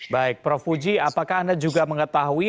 baik prof fuji apakah anda juga mengetahui